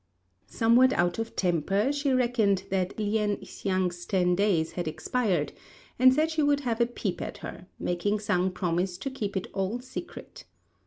Somewhat out of temper, she reckoned that Lien hsiang's ten days had expired, and said she would have a peep at her, making Sang promise to keep it all secret.